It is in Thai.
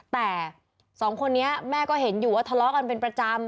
แต่สองคนนี้แม่ก็เห็นอยู่ว่าทะเลาะกันเป็นประจำ